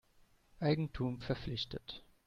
Eigentum verpflichtet.